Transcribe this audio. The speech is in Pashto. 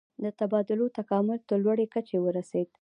د تبادلو تکامل تر لوړې کچې ورسید.